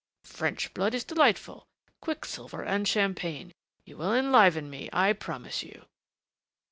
"French blood is delightful quicksilver and champagne. You will enliven me, I promise you."